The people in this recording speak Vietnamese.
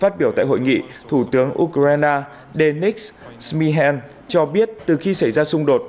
phát biểu tại hội nghị thủ tướng ukraine denis smihen cho biết từ khi xảy ra xung đột